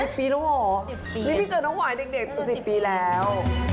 สิบปีแล้วเหรอนี่พี่เจอน้องวายเด็กสิบปีแล้ว